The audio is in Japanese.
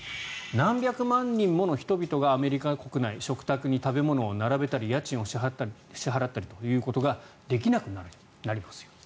何百万人もの人々がアメリカ国内食卓に食べ物を並べたり家賃を支払ったりということができなくなりますよと。